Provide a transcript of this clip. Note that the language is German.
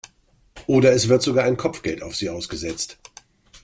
Oder es wird sogar ein Kopfgeld auf sie ausgesetzt.